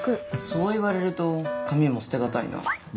そう言われると紙も捨て難いな。